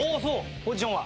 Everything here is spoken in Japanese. ポジションは？